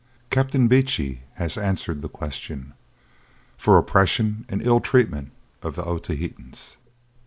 Captain Beechey has answered the question for oppression and ill treatment of the Otaheitans.